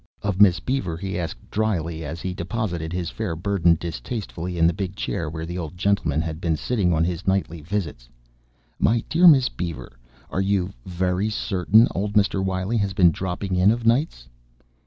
Of Miss Beaver he asked drily as he deposited his fair burden distastefully in the big chair where the old gentleman had been sitting on his nightly visits: "My dear Miss Beaver, are you very certain old Mr. Wiley has been dropping in of nights?"